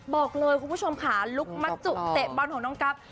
บอกเลยคุณผู้ชมขาลุ้กมัตจุเตะบอลของกัป